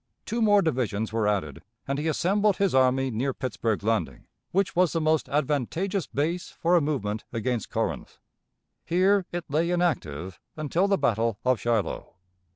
Two more divisions were added, and he assembled his army near Pittsburg Landing, which was the most advantageous base for a movement against Corinth. Here it lay inactive until the battle of Shiloh.